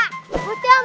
amok maruko salah jalan